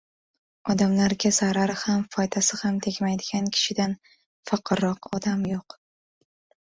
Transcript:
Odamlarga zarari ham, foydasi ham tegmaydigan kishidan faqirroq odam yo‘q.